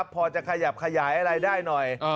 พอจะขยับขยายอะไรได้หน่อย